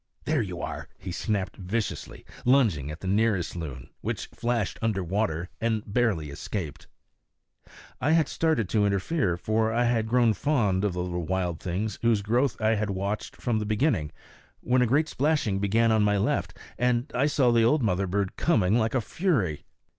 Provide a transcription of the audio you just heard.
"There you are!" he snapped viciously, lunging at the nearest loon, which flashed under water and barely escaped. I had started up to interfere, for I had grown fond of the little wild things whose growth I had watched from the beginning, when a great splashing began on my left, and I saw the old mother bird coming like a fury.